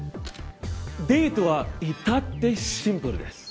デートはいたってシンプルです。